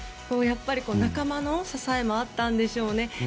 やっぱり仲間の支えもあったんでしょうね。